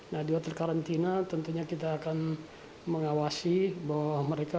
nah di hotel karantina tentunya kita akan mengawasi bahwa mereka